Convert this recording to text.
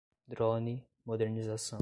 drone, modernização